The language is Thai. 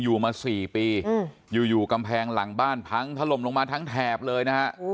อยู่มา๔ปีอยู่กำแพงหลังบ้านพังถล่มลงมาทั้งแถบเลยนะฮะ